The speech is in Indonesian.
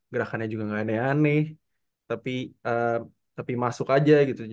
gerakannya juga gak aneh aneh tapi lebih masuk aja gitu